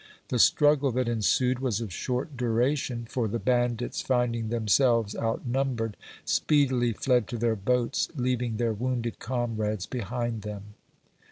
The struggle that ensued was of short duration, for the bandits, finding themselves outnumbered, speedily fled to their boats, leaving their wounded comrades behind them.